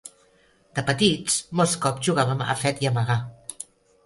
De petits, molts cops jugàvem a fet i amagar.